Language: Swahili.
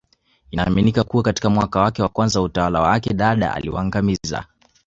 Inaaminika kuwa katika mwaka wa kwanza wa utawala wake Dada aliwaangamiza